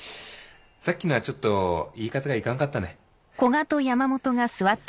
さっきのはちょっと言い方がいかんかったね。